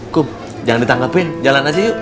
kum jangan ditangkap ya jalan aja yuk